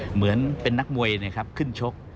เหมือนเป็นนักมวยนะครับขึ้นชก